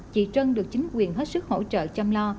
chị trân được chính quyền hết sức hỗ trợ chăm lo